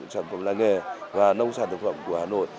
sản phẩm làng nghề và nông sản thực phẩm của hà nội